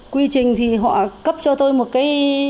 quy trình thì họ cấp cho tôi một cái